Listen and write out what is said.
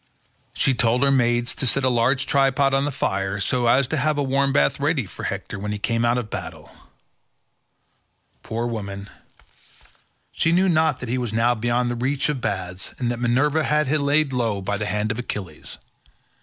She told her maids to set a large tripod on the fire, so as to have a warm bath ready for Hector when he came out of battle; poor woman, she knew not that he was now beyond the reach of baths, and that Minerva had laid him low by the hands of Achilles.